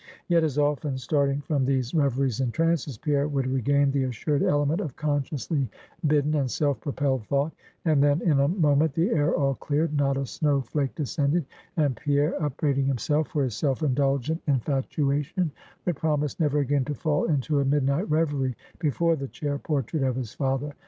Yet as often starting from these reveries and trances, Pierre would regain the assured element of consciously bidden and self propelled thought; and then in a moment the air all cleared, not a snow flake descended, and Pierre, upbraiding himself for his self indulgent infatuation, would promise never again to fall into a midnight revery before the chair portrait of his father.